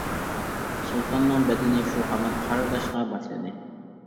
سۇلتاننىڭ بەدىنى شۇ ھامان قارىداشقا باشلىدى.